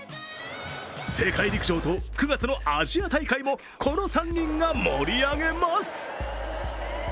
世界陸上と９月のアジア大会もこの３人が盛り上げます。